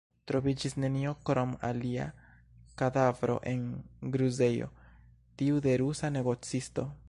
Troviĝis nenio krom alia kadavro en gruzejo, tiu de rusa negocisto.